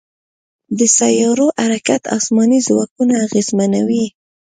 د سیارو حرکت اسماني ځواکونه اغېزمنوي.